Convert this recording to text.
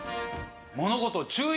物事を注意